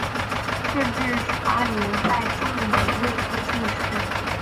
顺治十二年再中乙未科进士。